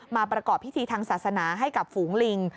ประกอบพิธีทางศาสนาให้กับฝูงลิง